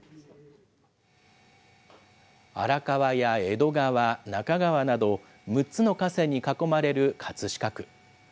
荒川や江戸川、中川など、６つの河川に囲まれる葛飾区。